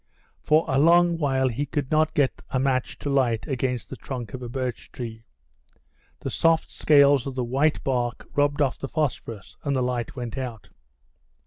For a long while he could not get a match to light against the trunk of a birch tree. The soft scales of the white bark rubbed off the phosphorus, and the light went out.